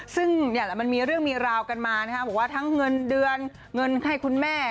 ซึ่งมันมีเรื่องมีราวกันมานะคะบอกว่าทั้งเงินเดือนเงินให้คุณแม่